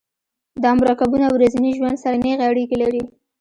دا مرکبونه ورځني ژوند سره نیغې اړیکې لري.